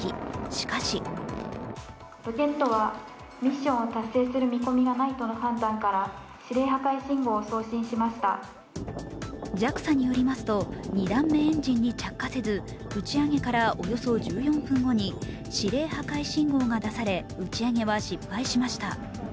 しかしＪＡＸＡによりますと、２段目エンジンに着火せず、打ち上げからおよそ１４分後に指令破壊信号が出され打ち上げは失敗しました。